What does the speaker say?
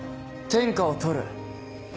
天下を獲る。